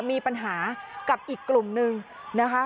มีปัญหากับอีกกลุ่มนึงนะคะ